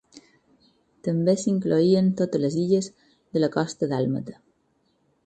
També s'incloïen totes les illes de la costa dàlmata.